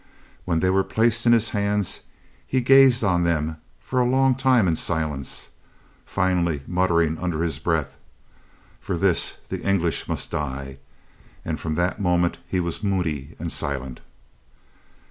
When they were placed in his hands he gazed on them for a long time in silence, finally muttering under his breath, "For this the English must die!" and from that moment he was moody and silent.